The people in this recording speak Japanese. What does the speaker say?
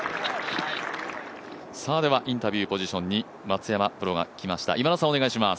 インタビューポジションに松山プロが来ました。